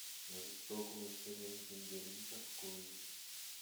Mas estou começando a entender muitas coisas.